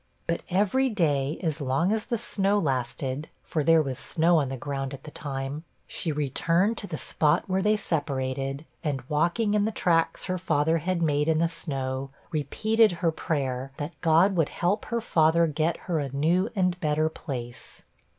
But, every day, as long as the snow lasted, (for there was snow on the ground at the time,) she returned to the spot where they separated, and walking in the tracks her father had made in the snow, repeated her prayer that 'God would help her father get her a new and better place.'